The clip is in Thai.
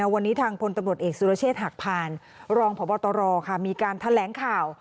วันนี้ทางพตเอกซุรเชษฐ์หักผ่านรองพบมีการทะแหลงข่าว